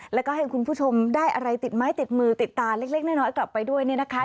แล้วก็ให้คุณผู้ชมได้อะไรติดไม้ติดมือติดตาเล็กน้อยกลับไปด้วยเนี่ยนะคะ